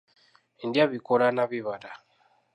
Ndya bikoola na bibala.